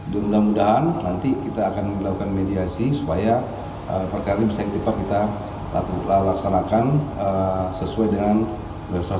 mudah mudahan nanti kita akan melakukan mediasi supaya perkara ini bisa cepat kita laksanakan sesuai dengan strategi